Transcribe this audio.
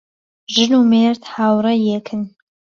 ژن و مێرد هاوڕێی یەکن